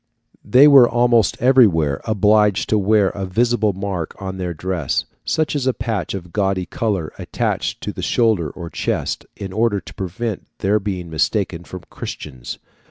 They were almost everywhere obliged to wear a visible mark on their dress, such as a patch of gaudy colour attached to the shoulder or chest, in order to prevent their being mistaken for Christians.